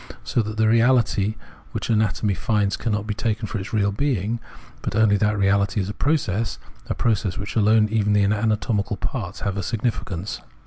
So that the reaUty which anatomy finds cannot be taken for its real being, but only that reality as a process, a process in which alone even the ana tomical parts have a significance.